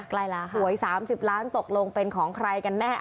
ใกล้แล้วค่ะหวยสามสิบล้านตกลงเป็นของใครกันแน่